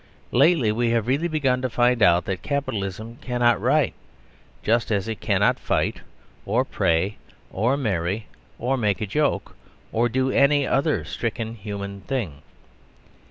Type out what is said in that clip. Lately we have really begun to find out that capitalism cannot write, just as it cannot fight, or pray, or marry, or make a joke, or do any other stricken human thing.